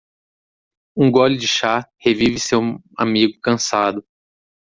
Um gole de chá revive seu amigo cansado.